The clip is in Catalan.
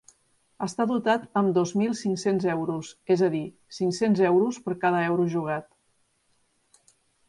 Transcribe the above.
Està dotat amb dos mil cinc-cents euros, és a dir, cinc-cents euros per cada euro jugat.